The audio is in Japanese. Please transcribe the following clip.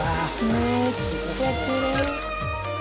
めっちゃきれい。